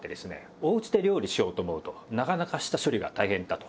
おうちで料理しようと思うとなかなか下処理が大変だと。